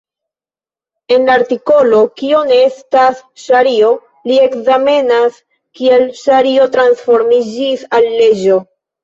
En la artikolo "Kio ne estas ŝario" li ekzamenas kiel ŝario transformiĝis al leĝo.